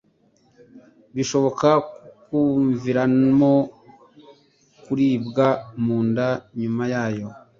bishobora kukuviramo kuribwa munda nyuma yayo.